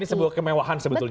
ini sebuah kemewahan sebetulnya